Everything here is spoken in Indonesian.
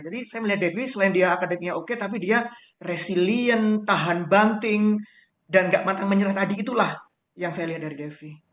jadi saya melihat devi selain dia akademiknya oke tapi dia resiliens tahan banting dan gak matang menyerah tadi itulah yang saya lihat dari devi